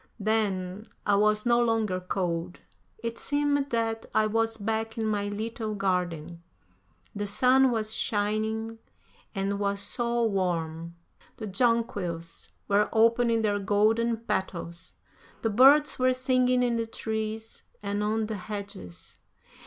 Then, I was no longer cold; it seemed that I was back in my little garden. The sun was shining and was so warm. The jonquils were opening their golden petals; the birds were singing in the trees and on the hedges.